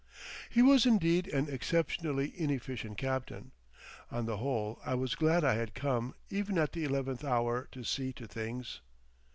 He was indeed an exceptionally inefficient captain. On the whole I was glad I had come even at the eleventh hour to see to things.